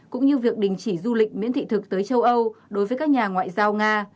cũng như việc đình chỉ du lịch miễn thị thực tới châu âu đối với các nhà ngoại giao nga